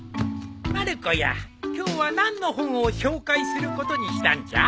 まる子や今日は何の本を紹介することにしたんじゃ？